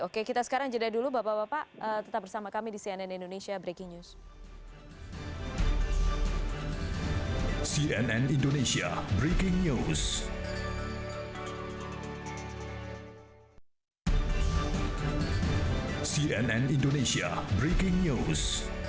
oke kita sekarang jeda dulu bapak bapak tetap bersama kami di cnn indonesia breaking news